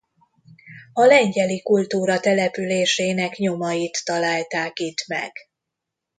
A lengyeli kultúra településének nyomait találták itt meg.